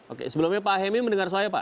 oke sebelumnya pak hemi mendengar saya pak